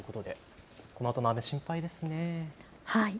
このあとの雨、心配ですね。